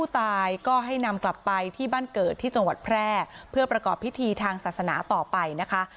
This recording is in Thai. ที่บ้านเกิดที่จังหวัดแพร่เพื่อประกอบพิธีทางศาสนาต่อไปนะคะ